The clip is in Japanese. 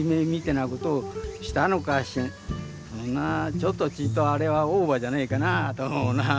ちょっとちいとあれはオーバーじゃねえかなと思うな。